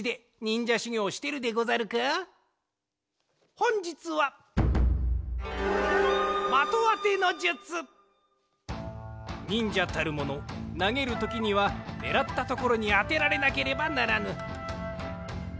ほんじつはにんじゃたるものなげるときにはねらったところにあてられなければならぬ。